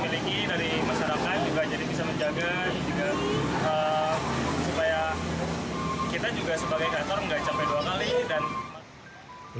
supaya kita juga sebagai kreator nggak sampai dua kali